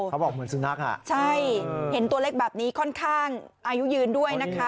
เขาบอกเหมือนสุนัขอ่ะใช่เห็นตัวเล็กแบบนี้ค่อนข้างอายุยืนด้วยนะคะ